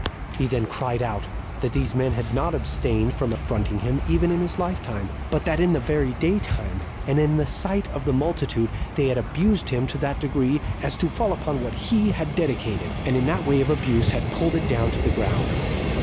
He then cried out, that these men had not abstained from affronting him, even in his lifetime, but that in the very day time, and in the sight of the multitude, they had abused him to that degree, as to fall upon what he had dedicated, and in that way of abuse had pulled it down to the ground.